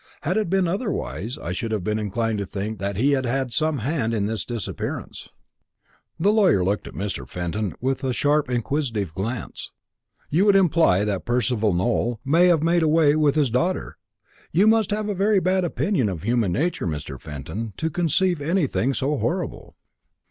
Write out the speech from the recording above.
Had it been otherwise, I should have been inclined to think that he had had some hand in this disappearance." The lawyer looked at Mr. Fenton with a sharp inquisitive glance. "In other words, you would imply that Percival Nowell may have made away with his daughter. You must have a very bad opinion of human nature, Mr. Fenton, to conceive anything so horrible."